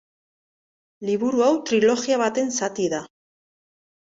Liburu hau trilogia baten zati da.